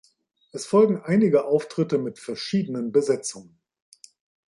Es folgen einige Auftritte mit verschiedenen Besetzungen.